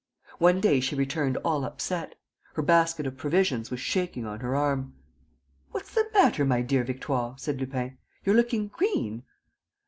One day she returned all upset. Her basket of provisions was shaking on her arm. "What's the matter, my dear Victoire?" said Lupin. "You're looking green."